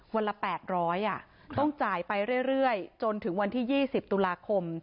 วันละ๘๐๐ต้องจ่ายไปเรื่อยจนถึงวันที่๒๐ตุลาคม